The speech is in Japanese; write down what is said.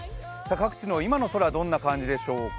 各地の今の空、どんな感じでしょうか。